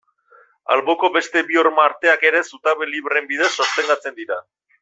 Alboko beste bi horma-arteak ere zutabe libreen bidez sostengatzen dira.